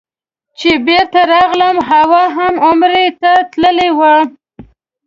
چې بېرته راغلم حوا هم عمرې ته تللې وه.